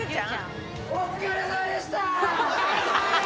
お疲れさまでした！